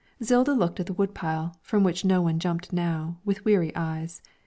Zilda looked at the wood pile, from which no one jumped now, with weary eyes.